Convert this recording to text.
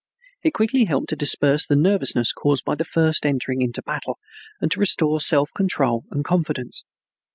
It quickly helped to disperse the nervousness caused by the first entering into battle and to restore self control and confidence.